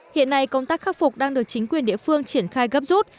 hiện nay công tác khắc phục đang được chính quyền địa phương triển khai gấp rút